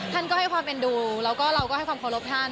ท่านก็ให้ความเอ็นดูแล้วก็เราก็ให้ความเคารพท่าน